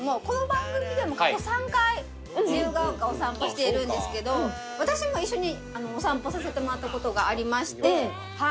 この番組でも過去３回自由が丘お散歩しているんですけど私も一緒にお散歩させてもらったことがありまして。